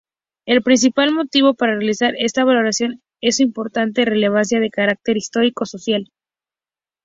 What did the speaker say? El principal motivo para realizar esta valoración, es su importante relevancia de carácter histórico-social.